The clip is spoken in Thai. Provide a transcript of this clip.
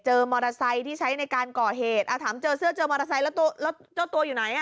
มอเตอร์ไซค์ที่ใช้ในการก่อเหตุถามเจอเสื้อเจอมอเตอร์ไซค์แล้วเจ้าตัวอยู่ไหนอ่ะ